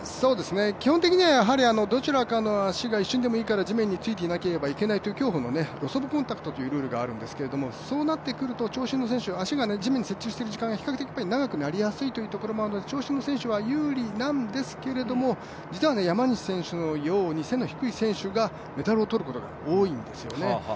基本的にはどちらかの足が一瞬でもいいから地面に着いていないといけないという競歩のルールがあるんですけど、そうなってくると長身の選手は足が地面に設置している時間が比較的長くなりやすいというところで長身の選手は有利なんですが、実は山西選手のように背の低い選手がメダルを取ることが多いんですよね